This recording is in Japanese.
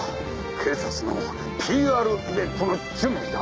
警察のＰＲイベントの準備だ。